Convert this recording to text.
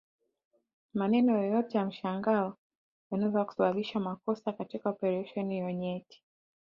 Maneno yoyote ya mshangao yanaweza kusababisha makosa katika operesheni hiyo nyeti